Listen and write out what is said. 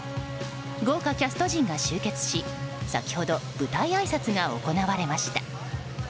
豪華キャスト陣が集結し先ほど舞台あいさつが行われました。